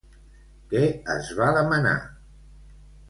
Què es va demanar?